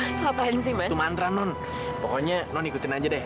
non harus bilang arman jelek